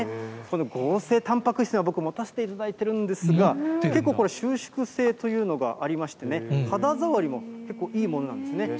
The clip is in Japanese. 合成たんぱく質、僕、持たせていただいているんですが、結構これ、収縮性というのがありましてね、肌触りも結構いいものなんですね。